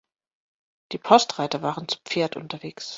Die Postreiter waren zu Pferd unterwegs.